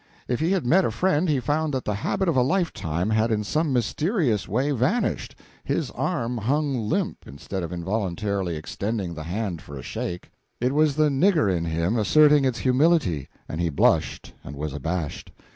If he met a friend, he found that the habit of a lifetime had in some mysterious way vanished his arm hung limp, instead of involuntarily extending the hand for a shake. It was the "nigger" in him asserting its humility, and he blushed and was abashed.